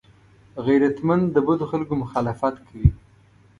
غیرتمند د بدو خلکو مخالفت کوي